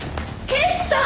刑事さん！